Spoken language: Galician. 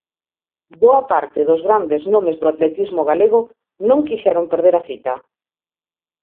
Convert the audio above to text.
Boa parte dos grandes nomes do atletismo galego non quixeron perder a cita.